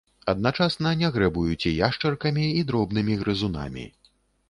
Адначасна не грэбуюць і яшчаркамі і дробнымі грызунамі.